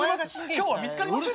今日は見つかりません。